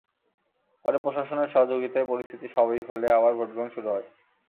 পরে প্রশাসনের সহযোগিতায় পরিস্থিতি স্বাভাবিক হলে আবার ভোট গ্রহণ শুরু হয়।